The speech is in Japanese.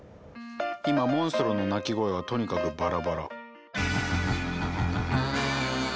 今モンストロの鳴き声はとにかくバラバラ。